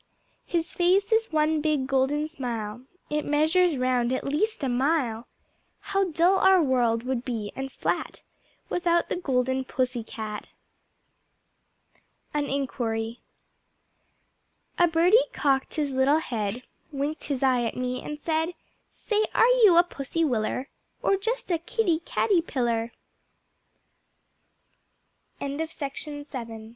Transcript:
His face is one big Golden smile, It measures round, at least a mile How dull our World would be, and flat, Without the Golden Pussy Cat. An Inquiry A Birdie cocked his little head, Winked his eye at me and said, "Say, are you a Pussy Willer, Or just a Kitty Catty pi